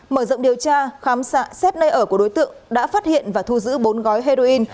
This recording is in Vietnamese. mở rộng điều tra khám xét nơi ở của đối tượng đã phát hiện và thu giữ bốn gói heroin